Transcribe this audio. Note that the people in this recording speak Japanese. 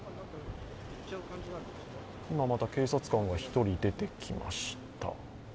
今また警察官が１人出てきました